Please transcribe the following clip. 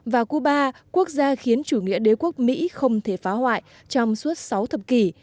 và cuba quốc gia khiến chủ nghĩa đế quốc mỹ không thể phá hoại trong suốt sáu thập kỷ